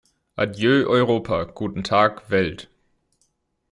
Adieu Europa, guten Tag, Welt!